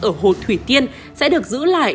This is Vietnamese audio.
ở hồ thủy tiên sẽ được giữ lại